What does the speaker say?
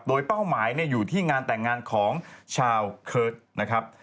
โดยเป้าหมายอยู่ที่งานแต่งงานของชาวเคิร์ตนะครับ